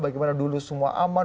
bagaimana dulu semua aman